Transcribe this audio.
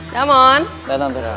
ya mon datang tante